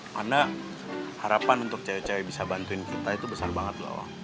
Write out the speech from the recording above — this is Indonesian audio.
karena harapan untuk cewek cewek bisa bantuin kita itu besar banget loh